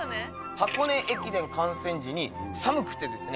箱根駅伝観戦時に寒くてですね